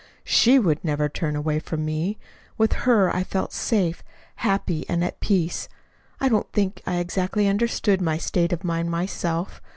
SHE would never turn away from me! With her I felt safe, happy, and at peace. I don't think I exactly understood my state of mind myself.